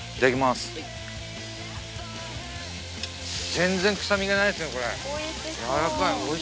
全然臭みがないですねこれ。